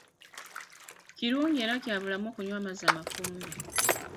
Kirungi era kya bulamu okunywa amazzi amafumbe.